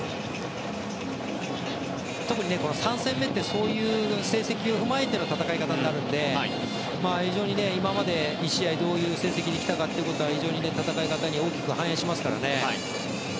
特に３戦目は成績を踏まえての戦い方になるので非常に今まで２試合どういう成績で来たかというのが戦い方に大きく反映されますからね。